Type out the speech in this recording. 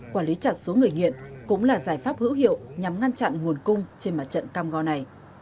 quản lý chặt số người nghiện cũng là giải pháp hữu hiệu nhằm ngăn chặn nguồn cung trên mặt trận cam go này